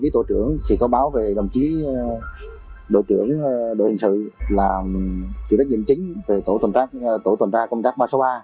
tổ trưởng đội hình sự là chủ đắc nhiệm chính về tổ tận ra công tác ba trăm sáu mươi ba